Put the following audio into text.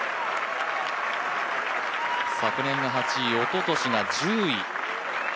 昨年が８位、おととしが１０位。